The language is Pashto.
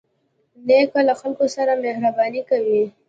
نیکه له خلکو سره مهرباني کوي.